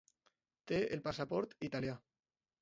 Té el passaport italià.